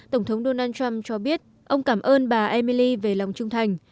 tổng thống donald trump cho biết ông cảm ơn bà emily về lòng trung thành